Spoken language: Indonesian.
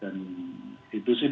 dan itu sih biasa